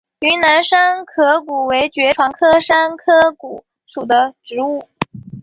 云南山壳骨为爵床科山壳骨属的植物。